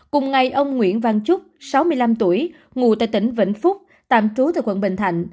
cùng ngày ông nguyễn văn trúc sáu mươi năm tuổi ngụ tại tỉnh vĩnh phúc tạm trú tại quận bình thạnh